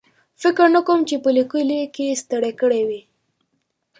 فکر نه کوم چې په لیکلو کې ستړی کړی وي.